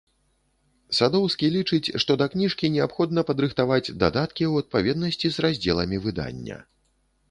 Садоўскі лічыць, што да кніжкі неабходна падрыхтаваць дадаткі ў адпаведнасці з раздзеламі выдання.